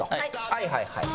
はいはいはい。